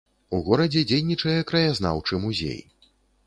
У горадзе дзейнічае краязнаўчы музей.